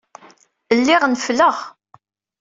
Lliɣ nefleɣ.